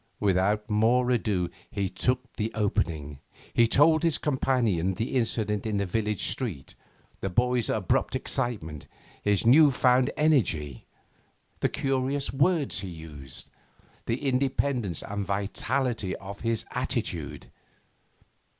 Without more ado he took the opening. He told his companion the incident in the village street, the boy's abrupt excitement, his new found energy, the curious words he used, the independence and vitality of his attitude.